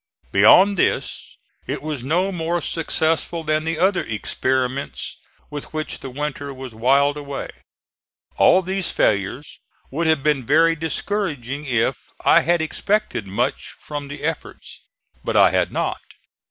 Beyond this it was no more successful than the other experiments with which the winter was whiled away. All these failures would have been very discouraging if I had expected much from the efforts; but I had not.